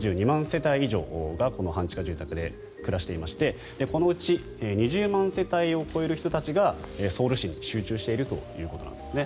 世帯以上がこの半地下住宅で暮らしていましてこのうち２０万世帯を超える人たちがソウル市に集中しているということなんですね。